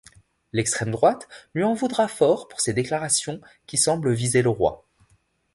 L'extrême droite lui en voudra fort pour ses déclarations qui semblent viser le roi...